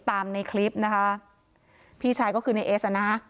ในคลิปนะคะพี่ชายก็คือในเอสอ่ะนะ